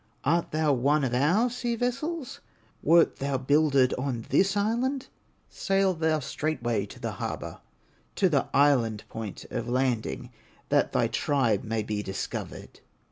Art thou one of our sea vessels? Wert thou builded on this island? Sail thou straightway to the harbor, To the island point of landing That thy tribe may be discovered."